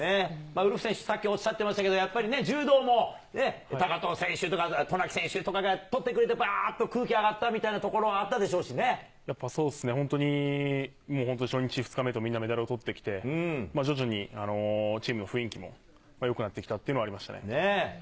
ウルフ選手さっきおっしゃってましたけど、やっぱりね、柔道も、高藤選手とか、渡名喜選手とかがとってくれてばーっと空気上がったみたいなとこやっぱそうですね、本当にもう初日、２日目とみんなメダルをとってきて、徐々にチームの雰囲気もよくなってきたっていうのはありましたね。